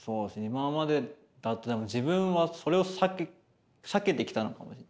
今までだと自分はそれを避けてきたのかもしれない。